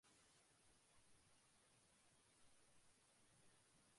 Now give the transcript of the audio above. অপরদিকে তার মা ছিলেন নম্র ও শান্ত স্বভাবের।